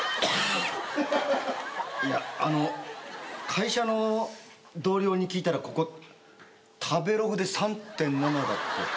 会社の同僚に聞いたらここ食べログで３．７だって。